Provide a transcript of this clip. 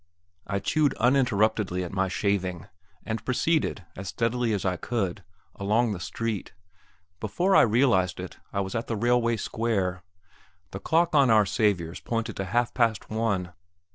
I chewed uninterruptedly at my shaving, and proceeded, as steadily as I could, along the street. Before I realized it, I was at the railway square. The dock on Our Saviour's pointed to half past one.